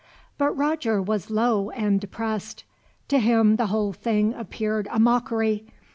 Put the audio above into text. But Roger was low and depressed. To him the whole thing appeared a mockery.